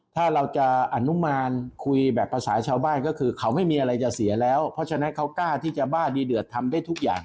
ถ้าเราจะอนุมานคุยแบบภาษาชาวบ้านก็คือเขาไม่มีอะไรจะเสียแล้วเพราะฉะนั้นเขากล้าที่จะบ้าดีเดือดทำได้ทุกอย่าง